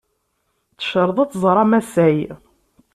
Tecreḍ ad tẓer amasay.